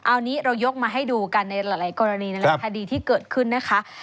อันนี้เรายกมาให้ดูกันในหลายกรณีนั่นแหละคดีที่เกิดขึ้นนะคะ